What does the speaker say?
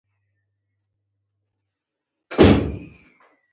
د روغتیايي سیستم په اړه د خلکو ادعاوې که څه هم شته دي.